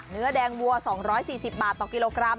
เนื้อแดงวัว๒๔๐บาทต่อกิโลกรัม